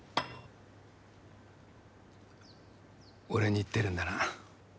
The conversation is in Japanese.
俺に言ってるんだな。